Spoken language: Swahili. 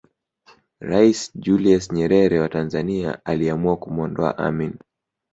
Rais Julius Nyerere wa Tanzania aliamua kumwondoa Amin